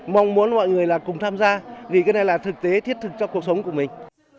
mong muốn mọi người là cùng tham gia vì cái này là thực tế thiết thực cho cuộc sống của mình